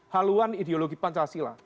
haluan ideologi pancasila